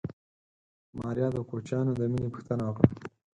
ماريا د کوچيانو د مېنې پوښتنه وکړه.